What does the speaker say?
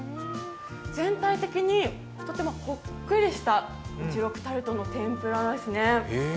全体的に、とてもほっくりした一六タルトの天ぷらですね。